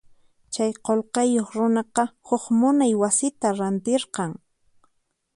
Chay qullqiyuq runaqa huk munay wasita rantirqan.